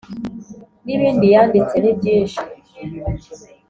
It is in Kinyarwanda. n'ibindi yanditse. nibyinshi